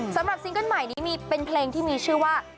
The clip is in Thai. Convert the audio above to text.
ซิงเกิ้ลใหม่นี้มีเป็นเพลงที่มีชื่อว่า